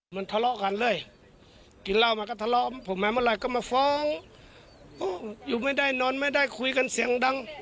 มันทะเลาะกันเลยกินเหล้ามาก็ทะเลาะผมมาเมื่อไหร่ก็มาฟ้องอยู่ไม่ได้นอนไม่ได้คุยกันเสียงดัง